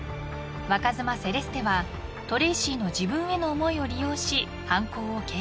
［若妻セレステはトレイシーの自分への思いを利用し犯行を計画。